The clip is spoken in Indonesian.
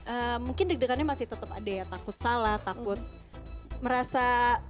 eee mungkin deg degannya masih tetap ada ya takut salah takut merasa